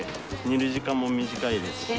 煮る時間も短いですし。